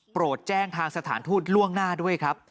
แจ้งทางสถานทูตล่วงหน้าด้วยครับ